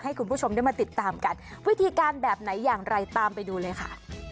ให้คุณผู้ชมได้มาติดตามกันวิธีการแบบไหนอย่างไรตามไปดูเลยค่ะ